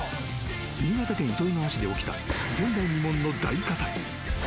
新潟県糸魚川市で起きた前代未聞の大火災。